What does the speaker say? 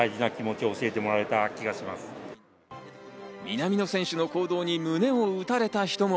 南野選手の行動に胸を打たれた人も。